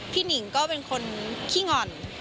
หนิงก็เป็นคนขี้ง่อน